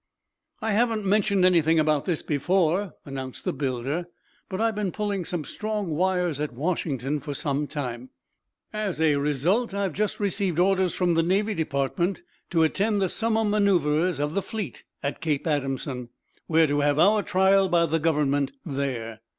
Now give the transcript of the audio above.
"I haven't mentioned anything about this before," announced the builder, "but I've been pulling some strong wires at Washington for some time. As a result I've just received orders from the Navy Department to attend the summer manoeuvres of the fleet at Cape Adamson. We're to have our trial by the Government there."